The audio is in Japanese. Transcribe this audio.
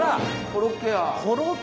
コロッケ！